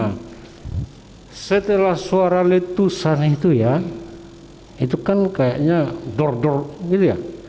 nah setelah suara letusan itu ya itu kan kayaknya dor dor gitu ya